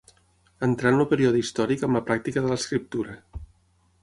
Entrà en el període històric amb la pràctica de l'escriptura.